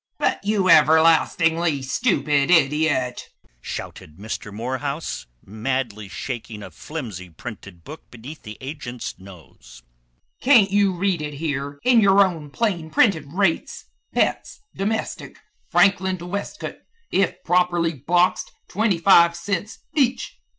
"But, you everlastingly stupid idiot!" shouted Mr. Morehouse, madly shaking a flimsy printed book beneath the agent's nose, "can't you read it here in your own plain printed rates? 'Pets, domestic, Franklin to Westcote, if properly boxed, twenty five cents each.'"